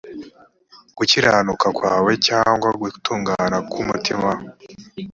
gukiranuka kwawe m cyangwa gutungana k umutima